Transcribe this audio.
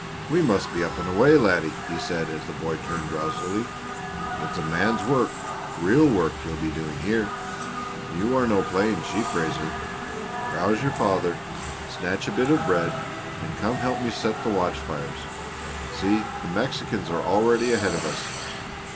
"We must be up and away, laddie," he said, as the boy turned drowsily. "It's a man's work real work you're doing here; you are no playing sheep raiser. Rouse your father, snatch a bit of bread, and come and help me set the watch fires. See, the Mexicans are already ahead of us."